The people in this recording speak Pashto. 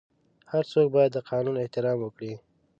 هر څوک باید د قانون احترام وکړي.